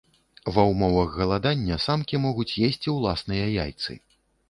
Ва ўмовах галадання самкі могуць есці ўласныя яйцы.